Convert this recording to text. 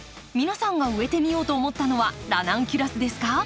皆さんが植えてみようと思ったのはラナンキュラスですか？